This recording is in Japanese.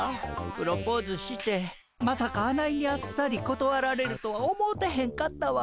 プロポーズしてまさかあないにあっさりことわられるとは思うてへんかったわ。